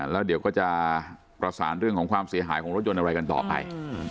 แล้วเดี๋ยวก็จะประสานเรื่องของความเสียหายของรถยนต์อะไรกันต่อไป